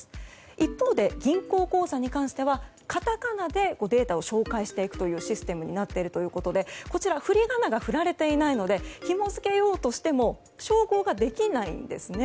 一方で銀行口座に関してはカタカナでデータを照会していくシステムになっているということでこちら、振り仮名が振られていないのでひも付けようとしても照合ができないんですね。